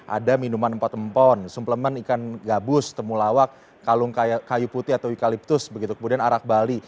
ada minuman empat empon sumplemen ikan gabus temulawak kalung kayu putih atau eukaliptus begitu kemudian arak bali